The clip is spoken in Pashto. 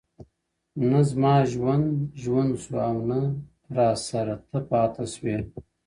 o نه زما ژوند ژوند سو او نه راسره ته پاته سوې ـ